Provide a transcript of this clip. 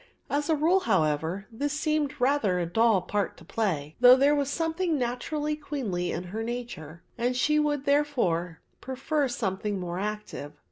As a rule, however, this seemed rather a dull part to play, though there was something naturally queenly in her nature, and she would therefore prefer something more active.